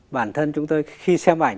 bản thân chúng tôi khi xem ảnh